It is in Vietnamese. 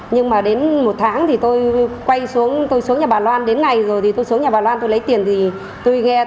nhưng mà đến một tháng thì tôi quay xuống tôi xuống nhà bà loan đến ngày rồi tôi xuống nhà bà loan tôi lấy tiền thì tôi nghe